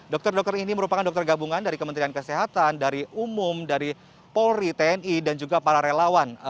dokter dokter ini merupakan dokter gabungan dari kementerian kesehatan dari umum dari polri tni dan juga para relawan